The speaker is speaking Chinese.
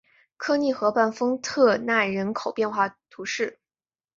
科尼河畔丰特奈人口变化图示